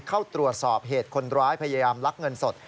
เข้าตรวจสอบเหตุคนร้ายพยายามลักเงินสด